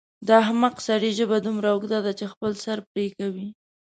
د احمق سړي ژبه دومره اوږده ده چې خپل سر پرې کوي.